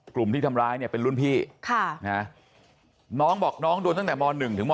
กลุ่มที่ทำร้ายเนี่ยเป็นรุ่นพี่น้องบอกน้องโดนตั้งแต่ม๑ถึงม